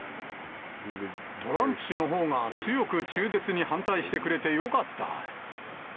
トランプ氏のほうが強く中絶に反対してくれてよかった。